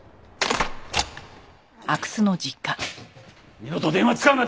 二度と電話を使うな！